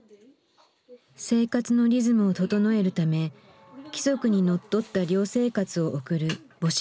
生活のリズムを整えるため規則にのっとった寮生活を送る母子寮。